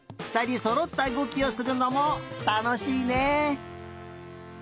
ふたりそろったうごきをするのもたのしいね。